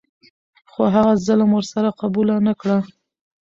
خو هغه ظلم ور سره قبوله نه کړه.